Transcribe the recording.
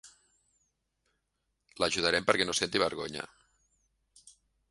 L'ajudarem perquè no senti vergonya.